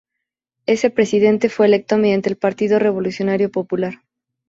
Este presidente fue electo mediante el partido Partido Revolucionario Popular.